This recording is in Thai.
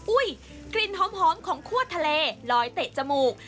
อุ๊ยกลิ่นหอมของขวดทะเลลอยเตะจมูก